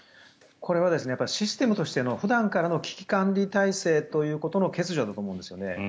これはシステムとしての普段からの危機管理体制ということの欠如だと思うんですね。